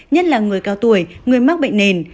nhất là người cao tuổi người mắc bệnh nền